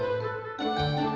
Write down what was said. bisa kamu balikin dulu